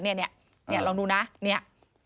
เนี่ยลองดูนะเนี่ย